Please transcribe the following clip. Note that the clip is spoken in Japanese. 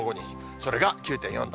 それが９．４度。